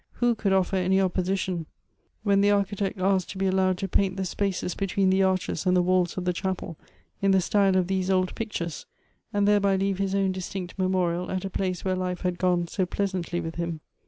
Who could offer any opposi tion when the Architect asked to be allowed to paint the spaces between the arches and the walls of the chapel in the style of these old pictures ; and thereby leave his own distinct memorial at a place where life had gone so pleasantly with him